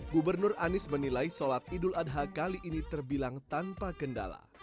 gubernur anies menilai sholat idul adha kali ini terbilang tanpa kendala